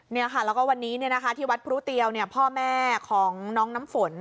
แล้วก็วันนี้ที่วัดพรุเตียวพ่อแม่ของน้องน้ำฝน